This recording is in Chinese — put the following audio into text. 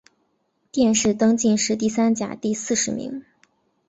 殿试登进士第三甲第四十名。